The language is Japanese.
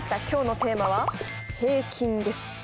今日のテーマは「平均」です。